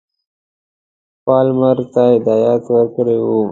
پالمر ته هدایت ورکړی وو.